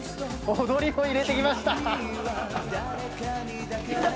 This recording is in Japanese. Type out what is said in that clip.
踊りも入れてきました。